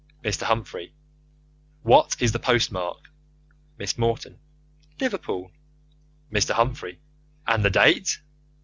Mr. Humphrey: What is the post mark? Miss Morton: Liverpool. Mr. Humphrey: And the date?